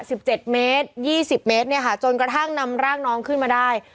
สิบเจ็ดเมตรยี่สิบเมตรเนี่ยค่ะจนกระทั่งนำร่างน้องขึ้นมาได้